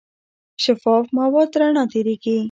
شفاف مواد رڼا تېرېږي.